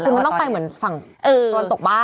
คือมันต้องไปเหมือนฝั่งตะวันตกบ้าง